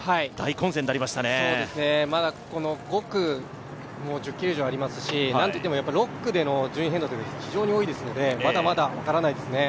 まだ５区も１０ｋｍ以上ありますし何といっても６区での順位変動が多いですのでまだまだ分からないですね。